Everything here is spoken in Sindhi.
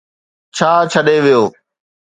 ڇا ڇڏي ويو.